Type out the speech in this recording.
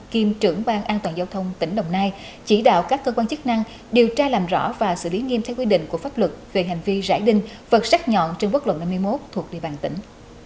kiêm trưởng ban an toàn giao thông tỉnh đồng nai chỉ đạo các cơ quan chức năng điều tra làm rõ và xử lý nghiêm theo quy định của pháp luật về hành vi rải đinh vật sắc nhọn trên quốc lộ năm mươi một thuộc địa bàn tỉnh